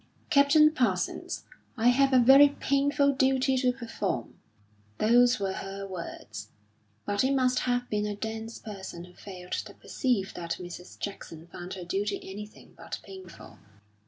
"Captain Parsons, I have a very painful duty to perform." Those were her words, but it must have been a dense person who failed to perceive that Mrs. Jackson found her duty anything but painful.